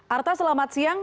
arta selamat siang